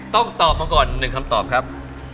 ต้องตอบมาก่อน๑คำตอบครับ